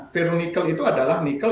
ferronikel itu adalah nikel